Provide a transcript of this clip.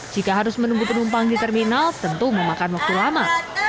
jika harus menunggu penumpang di terminal tentu memakan waktu lama